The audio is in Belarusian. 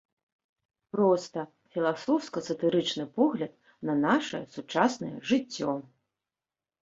Проста, філасофска-сатырычны погляд на нашае сучаснае жыццё.